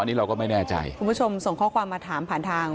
อันนี้เราก็ไม่แน่ใจคุณผู้ชมส่งข้อความมาถามผ่านทาง